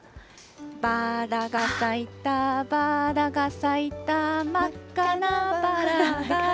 バラが咲いた、バラが咲いた、真っ赤なバラが。